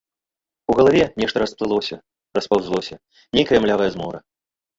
У галаве нешта расплылося, распаўзлося, нейкая млявая змора.